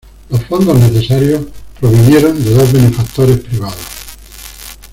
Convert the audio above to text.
Los fondos necesarios provinieron de dos benefactores privados.